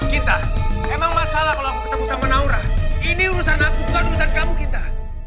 kita emang masalah kalau aku ketemu sama naura ini urusan aku bukan urusan kamu kita